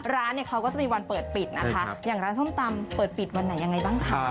ร้านเนี่ยเขาก็จะมีวันเปิดปิดนะคะอย่างร้านส้มตำเปิดปิดวันไหนยังไงบ้างคะ